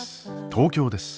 東京です。